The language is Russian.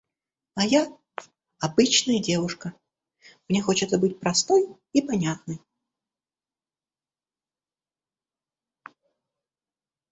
А я - обычная девушка, мне хочется быть простой и понятной.